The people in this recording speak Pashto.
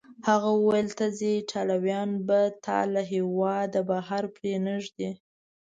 هغه وویل: ته ځې، ایټالویان به تا له هیواده بهر پرېنږدي.